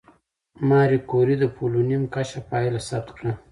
ماري کوري د پولونیم کشف پایله ثبت کړه.